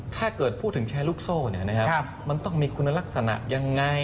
ถ้าเกิดพูดถึงแชร์ลูกโซ่มันต้องมีคุณลักษณะยังไง